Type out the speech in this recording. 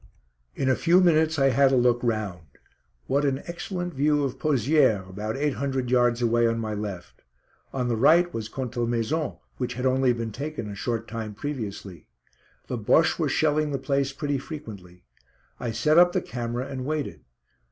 In a few minutes I had a look round. What an excellent view of Pozières, about eight hundred yards away on my left. On the right was Contalmaison, which had only been taken a short time previously. The Bosches were shelling the place pretty frequently. I set up the camera and waited.